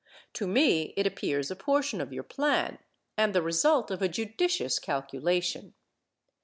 To me it appears a portion of your plan, and the result of a judicious calculation.